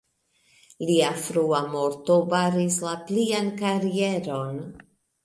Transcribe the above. Lia frua morto baris la plian karieron.